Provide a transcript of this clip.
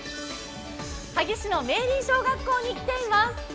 萩市の明倫小学校に来ています。